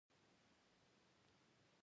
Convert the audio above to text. د سلطنت د واک مزي ټینګ کړل.